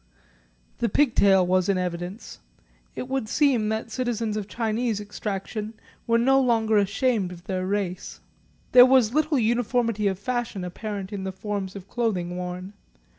The pigtail was in evidence; it would seem that citizens of Chinese extraction were no longer ashamed of their race. There was little uniformity of fashion apparent in the forms of clothing worn.